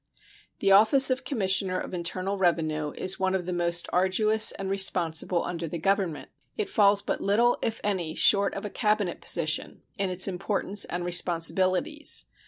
The office of Commissioner of Internal Revenue is one of the most arduous and responsible under the Government. It falls but little, if any, short of a Cabinet position in its importance and responsibilities.